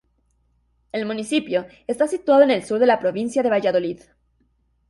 El municipio está situado en el sur de la provincia de Valladolid.